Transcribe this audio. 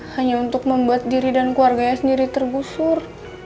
hanya untuk membuat diri dan keluarganya sendiri tergusur